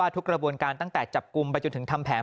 กระบวนการตั้งแต่จับกลุ่มไปจนถึงทำแผน